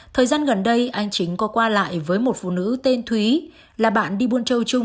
thời gian gần đây anh chính có qua lại với một phụ nữ tên thúy là bạn đi buôn châu trung